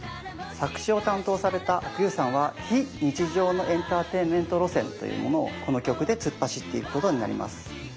作詞を担当された阿久悠さんは非日常のエンターテインメント路線というものをこの曲で突っ走っていくことになります。